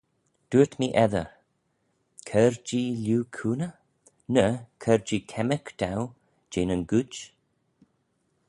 Dooyrt mee eddyr, Cur-jee lhieu cooney? ny, Cur-jee kemmyrk dou jeh nyn gooid?